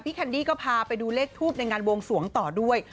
แคนดี้ก็พาไปดูเลขทูปในงานวงสวงต่อด้วย